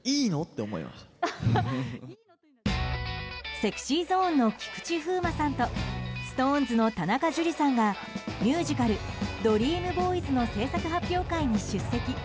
ＳｅｘｙＺｏｎｅの菊池風磨さんとＳｉｘＴＯＮＥＳの田中樹さんがミュージカル「ＤＲＥＡＭＢＯＹＳ」の制作発表会に出席。